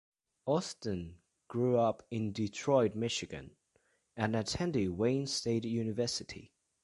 Austin grew up in Detroit, Michigan, and attended Wayne State University.